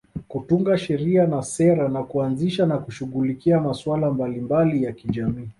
Kutunga sheria na sera na kuanzisha na kushughulikia masuala mbalimbali ya kijamii